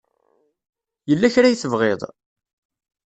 Yella kra ay tebɣiḍ?